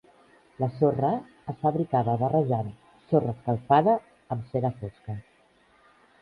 La sorra es fabricava barrejant sorra escalfada amb cera fosca.